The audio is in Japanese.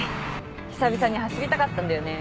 久々に走りたかったんだよね。